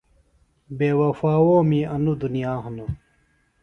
بے وفاؤں می انوۡ دُنیا ہنوۡ۔